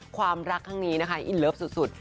ความรักครั้งนี้นะคะอินเลิฟสุด